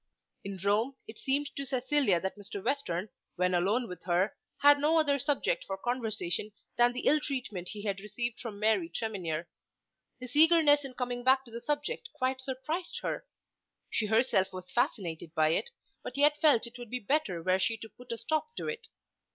In Rome it seemed to Cecilia that Mr. Western, when alone with her, had no other subject for conversation than the ill treatment he had received from Mary Tremenhere. His eagerness in coming back to the subject quite surprised her. She herself was fascinated by it, but yet felt it would be better were she to put a stop to it.